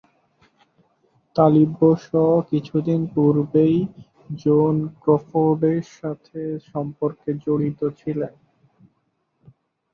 শ কিছুদিন পূর্বেই জোন ক্রফোর্ডের সাথে সম্পর্কে জড়িত ছিলেন।